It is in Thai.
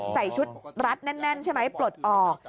ใส่ชุดรัดแน่นใช่ไหมปลดออก